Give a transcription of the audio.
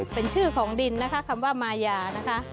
เป็นชื่อของดินนะคะคำว่ามายานะคะ